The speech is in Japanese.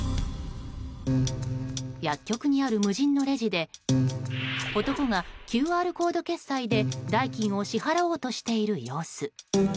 薬局にある無人のレジで男がＱＲコード決済で代金を支払おうとしている様子。